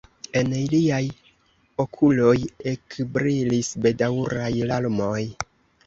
En liaj okuloj ekbrilis bedaŭraj larmoj.